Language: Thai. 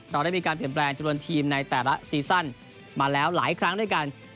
เราได้มีการเปลี่ยนแปลงจำนวนทีมในแต่ละซีซั่นมาแล้วหลายครั้งด้วยกัน